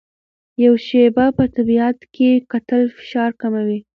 یو شېبه په طبیعت کې کتل فشار کموي.